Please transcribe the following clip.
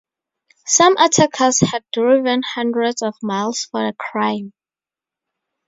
Some attackers had driven hundreds of miles for the crime.